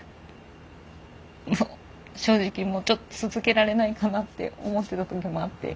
もう正直もうちょっと続けられないかなって思ってた時もあって。